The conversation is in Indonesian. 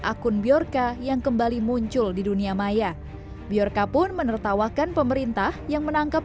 akun biorca yang kembali muncul di dunia maya biorka pun menertawakan pemerintah yang menangkap